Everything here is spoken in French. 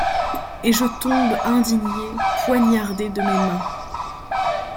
Et je tombe indigné, poignardé de mes mains